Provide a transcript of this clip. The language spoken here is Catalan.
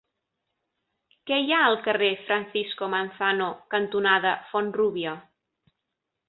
Què hi ha al carrer Francisco Manzano cantonada Font-rúbia?